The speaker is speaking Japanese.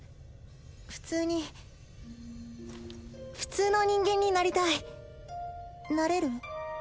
普通に普通の人間になりたいなれる？